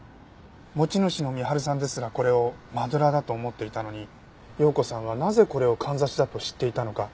持ち主の深春さんですらこれをマドラーだと思っていたのに葉子さんはなぜこれをかんざしだと知っていたのか。